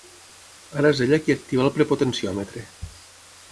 Ara és ella qui activa el prepontenciòmetre.